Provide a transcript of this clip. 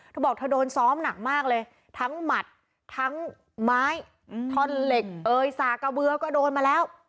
เธอบอกเธอโดนซ้อมหนักมากเลยทั้งหมัดทั้งไม้ท่อนเหล็กเอ่ยสากะเบือก็โดนมาแล้ว